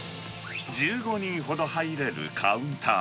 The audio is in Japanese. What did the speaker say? １５人ほど入れるカウンター。